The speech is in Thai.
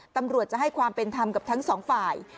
ตำรวจจะให้ความเป็นธรรมกับทั้งสองฝ่าย